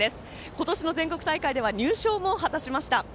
今年の全国大会では入賞も果たしました。